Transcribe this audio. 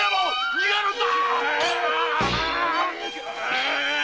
逃げるんだ！